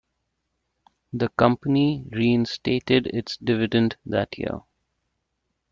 The company reinstated its dividend that year.